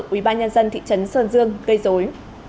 ủy ban nhân dân thị trấn sơn dương gây dối